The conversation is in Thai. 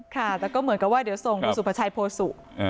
ค่ะแต่ก็เหมือนกับว่าเดี๋ยวส่งดูสุภาชายโพสต์สุเออ